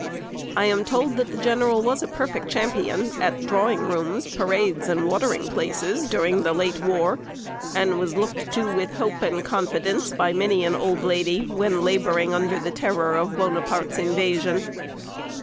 I am told that the general was a perfect champion at drawing rooms, parades, and watering places, during the late war, and was looked to with hope and confidence by many an old lady, when labouring under the terror of Buonaparte's invasion.